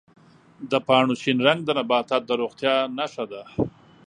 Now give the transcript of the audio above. د پاڼو شین رنګ د نباتاتو د روغتیا نښه ده.